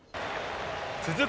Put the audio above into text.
続く